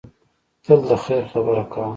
تل د خیر خبرې کوه.